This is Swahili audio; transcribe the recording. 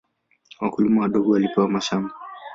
Wakulima wadogo walipewa mashamba.